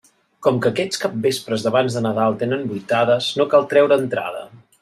Com que aquests capvespres d'abans de Nadal tenen vuitades, no cal traure entrada.